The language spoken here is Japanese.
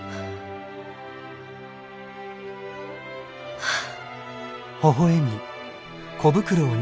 はあ。